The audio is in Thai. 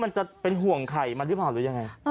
มันไข่เอาไว้ด้วย